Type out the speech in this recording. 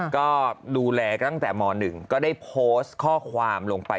ก็ดูแลตั้งแต่ม๑ก็ได้โพสต์ข้อความลงไป